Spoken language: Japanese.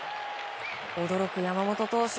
驚く山本投手。